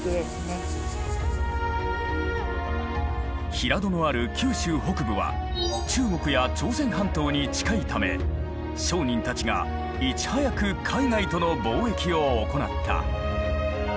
平戸のある九州北部は中国や朝鮮半島に近いため商人たちがいち早く海外との貿易を行った。